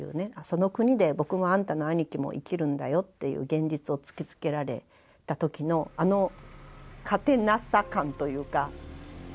「その国で僕もあんたの兄貴も生きるんだよ」っていう現実を突きつけられた時のあの勝てなさ感というか。